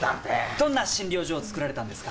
どんな診療所を作られたんですか？